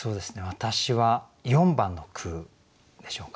私は４番の句でしょうか。